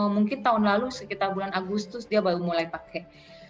mungkin tahun lalu sekitar bulan agustus dia baru mulai pakai